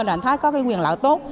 mình thấy có cái quyền lão tốt